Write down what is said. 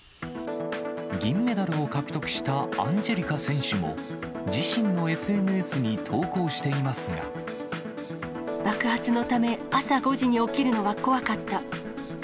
銀メダルを獲得したアンジェリカ選手も自身のＳＮＳに投稿してい爆発のため朝５時に起きるのは怖かった。